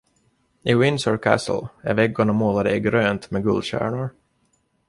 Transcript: I Windsor Castle är väggarna målade i grönt med guldstjärnor.